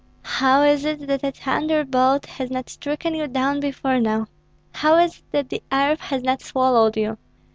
How is it, that a thunderbolt has not stricken you down before now? How is it that the earth has not swallowed you?